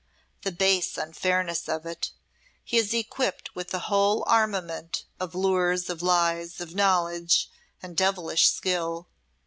The base unfairness of it! He is equipped with the whole armament of lures, of lies, of knowledge, and devilish skill.